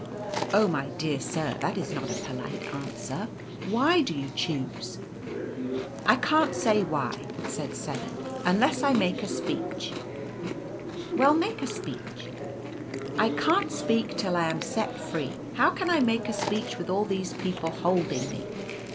" c Oh, my dear sir, that is not a polite answer. Why do you choose ?'" 4 I can't say why,' said 7, c unless I make a speech.' <c Why 7 went mad. 1 1 1 " c Well, make a speech.' c I can't speak till I am set free ; how can I make a speech with all these people holding me